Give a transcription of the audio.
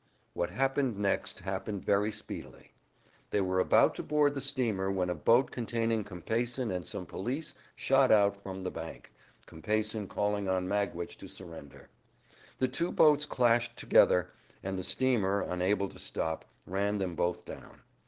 What happened next happened very speedily. They were about to board the steamer when a boat containing Compeyson and some police shot out from the bank, Compeyson calling on Magwitch to surrender. The two boats clashed together, and the steamer, unable to stop, ran them both down.